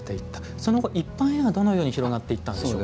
その後、一般へはどのように広まっていったんでしょうか？